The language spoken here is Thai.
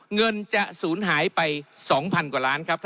เงินจะศูนย์หายไป๒๐๐๐กว่าล้านครับ